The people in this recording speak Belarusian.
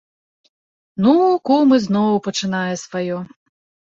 Ну, кум ізноў пачынае сваё!